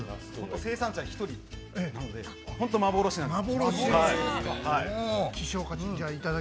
生産者１人なので、本当に幻なんです。